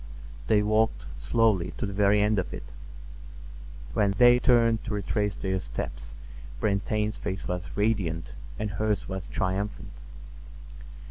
They walked slowly to the very end of it. When they turned to retrace their steps Brantain's face was radiant and hers was triumphant.